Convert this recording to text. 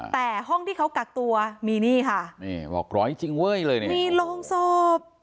แต่ห้องที่เขากักตัวมีหนี้ค่ะนี่บอกร้อยจริงเว้ยเลยเนี่ยมีโรงศพ